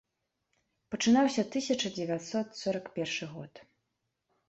Пачынаўся тысяча дзевяцьсот сорак першы год.